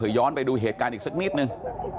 ย้อนไปดูเหตุการณ์อีกสักนิดนึง